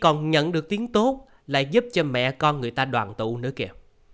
còn nhận được tiếng tốt lại giúp cho mẹ con người ta đoàn tụ nữa kìa